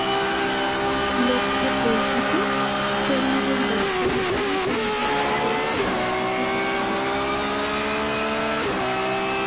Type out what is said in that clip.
লক্ষ্যে পৌঁছাতে কোহলিদের লড়তে হচ্ছে ইংলিশ পেস আর ইতিহাসের বিপক্ষে।